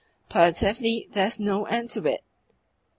Positively there is no end to it!"